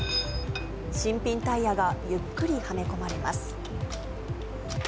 新品タイヤがゆっくり、はめ込まれます。